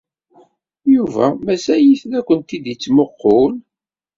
Yuba mazal-it la kent-id-yettmuqqul.